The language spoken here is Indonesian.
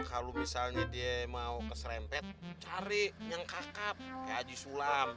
kalau misalnya dia mau keserempet cari yang kakap kayak aji sulam